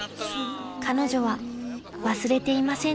［彼女は忘れていませんでした］